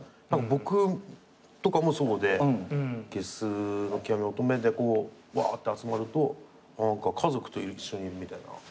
僕とかもそうでゲスの極み乙女でこううわって集まると何か家族と一緒にいるみたいな。